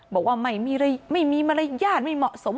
บอกว่าไม่มีมารยาทไม่เหมาะสม